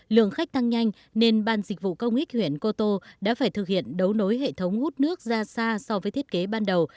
lượng khách tăng nhanh nên ban dịch vụ công ích huyện cô tô đã phải thực hiện đấu nối hệ thống hút nước ra xa so với thiết kế ban đầu